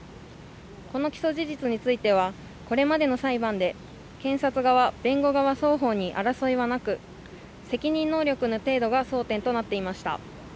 この起訴事実についてはこれまでの裁判で検察側・弁護側双方に争いはなく、責任能力の程度が争点となっていました。